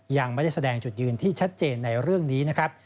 ยังไม่ได้แสดงจุดยืนที่ชัดเจนในเรื่องนี้นะครับ